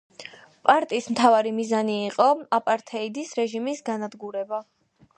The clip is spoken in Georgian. პარტიის მთავარი მიზანი იყო აპართეიდის რეჟიმის განადგურება.